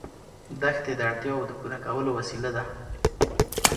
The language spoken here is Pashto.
دښتې د اړتیاوو د پوره کولو وسیله ده.